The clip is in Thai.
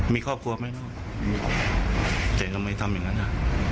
มีครอบครัวไหมลูกแต่ทำไมทำอย่างนั้นอ่ะ